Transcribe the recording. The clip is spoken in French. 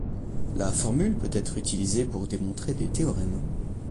La formule peut être utilisée pour démontrer des théorèmes.